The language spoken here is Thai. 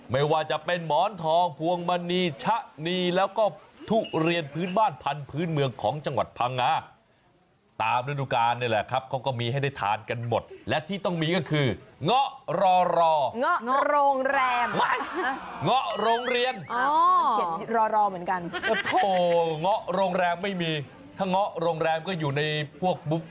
ไม่ต้องเป็นช้างเป็นคนก็กินได้ถูกสมกับ